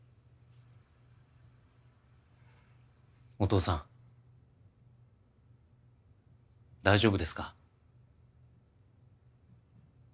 お父さん大丈夫ですか？